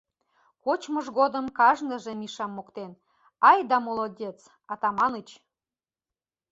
Кочмыж годым кажныже Мишам моктен: «Ай да молодец, Атаманыч!